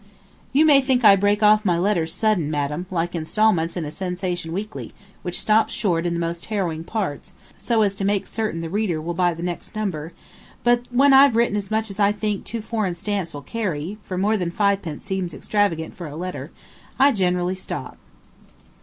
You may think I break off my letters sudden, madam, like the instalments in a sensation weekly, which stops short in the most harrowing parts, so as to make certain the reader will buy the next number; but when I've written as much as I think two foreign stamps will carry for more than fivepence seems extravagant for a letter I generally stop.